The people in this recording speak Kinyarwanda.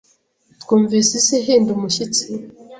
Twumvise isi ihinda umushyitsi.